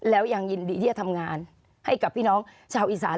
แล้วยังยินดีที่จะทำงานให้กับพี่น้องชาวอีสาน